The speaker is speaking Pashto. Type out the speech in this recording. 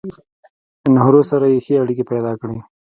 نهرو سره يې ښې اړيکې پېدا کړې